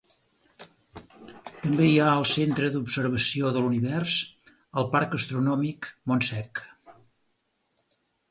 També hi ha el Centre d'Observació de l'Univers, al Parc Astronòmic Montsec.